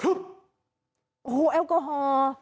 โอ้โหแอลกอฮอล์